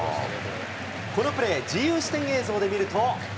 このプレー、自由視点映像で見ると。